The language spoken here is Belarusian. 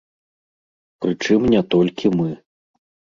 Прычым не толькі мы.